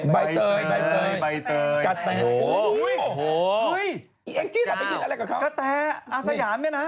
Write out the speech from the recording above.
ใบเตย